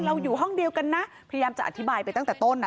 อยู่ห้องเดียวกันนะพยายามจะอธิบายไปตั้งแต่ต้นอ่ะ